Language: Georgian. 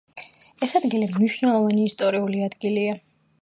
ეს ადგილი მნიშვნელოვანი ისტორიული ადგილია.